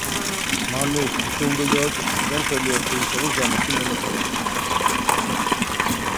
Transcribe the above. მან ეს ისე უნდა გააკეთოს, რომ ხელი არ შეუშალოს დანარჩენ მონაწილეებს.